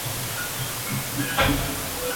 En la noche que ella regresó, Sarah fue concebida.